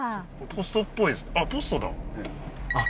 ポストっぽいですあっ